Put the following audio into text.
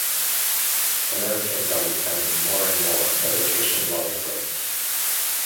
Americans are becoming more and more a vacation-loving race.